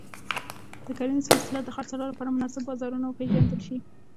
د کرنيزو محصولاتو د خرڅلاو لپاره مناسب بازارونه وپیژندل شي.